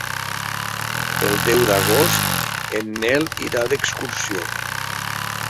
El deu d'agost en Nel irà d'excursió.